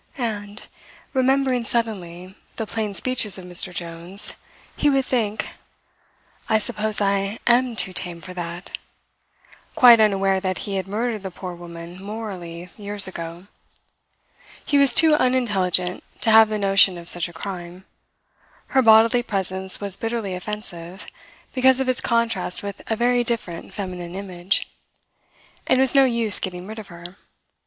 And, remembering suddenly the plain speeches of Mr. Jones, he would think: "I suppose I am too tame for that" quite unaware that he had murdered the poor woman morally years ago. He was too unintelligent to have the notion of such a crime. Her bodily presence was bitterly offensive, because of its contrast with a very different feminine image. And it was no use getting rid of her.